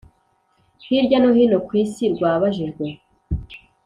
Hirya No Hino Ku Isi Rwabajijwe